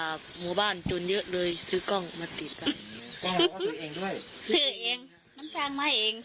อันนี้ออกบอกอะไรกับคนที่เอาไปไหม